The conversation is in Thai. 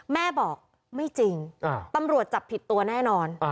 แม่บอกไม่จริงตำรวจจับผิดตัวแน่นอน